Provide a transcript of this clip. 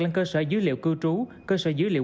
lên cơ sở dữ liệu cư trú cơ sở dữ liệu